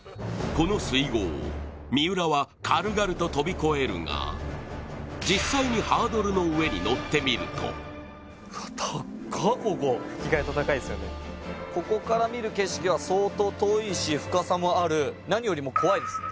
この水濠、三浦は軽々と飛び越えるが実際にハードルの上に乗ってみるとここから見る景色は相当遠いし深さもある。